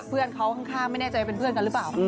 เพื่อนเขาข้างไม่แน่ใจเป็นเพื่อนกันหรือเปล่า